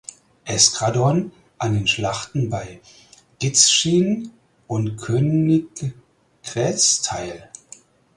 Eskadron an den Schlachten bei Gitschin und Königgrätz teil.